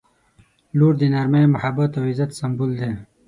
• لور د نرمۍ، محبت او عزت سمبول دی.